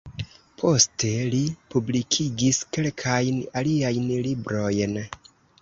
Poste li publikigis kelkajn aliajn librojn.